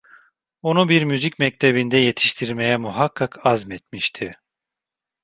Onu bir müzik mektebinde yetiştirmeye muhakkak azmetmişti.